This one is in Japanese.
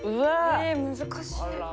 え難しい。